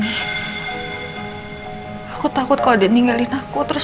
hai aku takut kau udah ninggalin aku terus